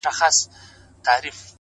دعا . دعا . دعا .دعا كومه.